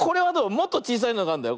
もっとちいさいのがあるんだよ。